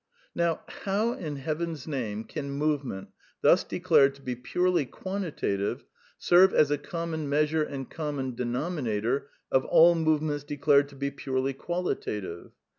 Now how, in heaven's name, can movement, thus de clared to be purely quantitative, serve as a common meas ure and common denominator of all movements declared to be purely qualitative